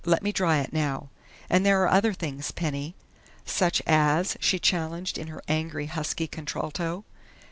Let me dry it now.... And there are other things, Penny " "Such as " she challenged in her angry, husky contralto.